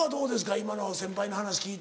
今の先輩の話聞いて。